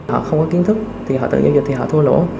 họ không có kiến thức thì họ tự nhận được thì họ thua lỗ